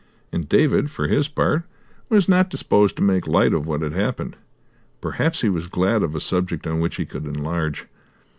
And David, for his part, was not disposed to make light of what had happened. Perhaps he was glad of a subject on which he could enlarge.